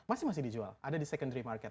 pasti masih dijual ada di secondary market